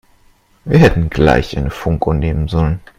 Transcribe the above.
Wir hätten gleich eine Funkuhr nehmen sollen.